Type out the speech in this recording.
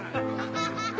ハハハハ！